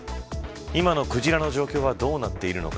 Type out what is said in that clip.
今のクジラの状況はどうなっているのか。